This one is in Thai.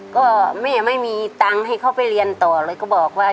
ก็แม่ไม่มีตังค์ให้เขาไปเรียนต่อเลยก็บอกว่า